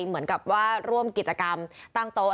เหมือนกับว่าร่วมกิจกรรมตั้งโต๊ะ